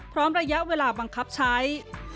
พร้อมระยะเวลาบังคับใช้